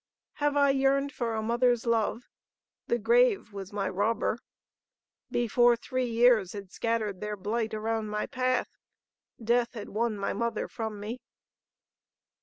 "Have I yearned for a mother's love? The grave was my robber. Before three years had scattered their blight around my path, death had won my mother from me.